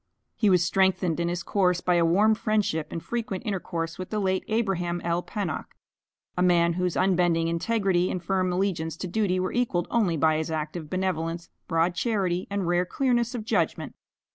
He was strengthened in his course by a warm friendship and frequent intercourse with the late Abraham L. Pennock, a man whose unbending integrity and firm allegiance to duty were equalled only by his active benevolence, broad charity, and rare clearness of judgment.